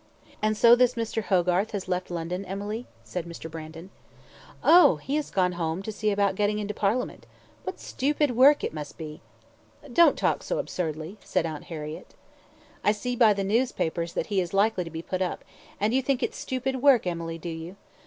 "And so this Mr. Hogarth has left London, Emily?" said Mr. Brandon. "Oh, he has gone home to see about getting into Parliament what stupid work it must be!" "Don't talk so absurdly," said Aunt Harriett. "I see by the newspapers that he is likely to be put up; and you think it stupid work, Emily, do you?